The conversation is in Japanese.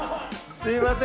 すみません。